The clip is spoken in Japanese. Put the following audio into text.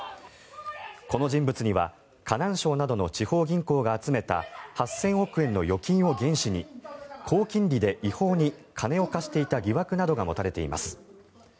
この人物には河南省などの地方銀行が集めた８０００億円の預金を原資に高金利で違法に金を貸していた疑惑などが持たれています。